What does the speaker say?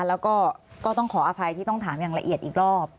แล้วก็ก็ต้องขออภัยที่ต้องถามอย่างละเอียดอีกรอบ